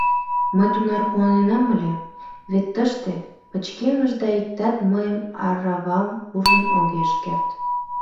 — Мый тунар куаненам ыле, вет тыште пычкемыш да иктат мыйын аравам ужын огеш керт.